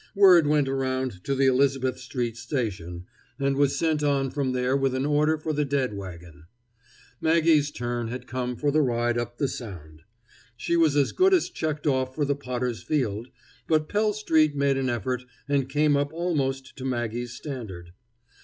Word went around to the Elizabeth street station, and was sent on from there with an order for the dead wagon. Maggie's turn had come for the ride up the Sound. She was as good as checked off for the Potter's Field, but Pell street made an effort and came up almost to Maggie's standard.